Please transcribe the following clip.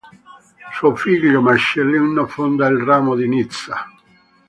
Suo figlio Marcellino fonda il ramo di Nizza.